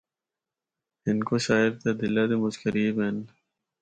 ہندکو شاعر تے دلا دے مُچ قریب ہن۔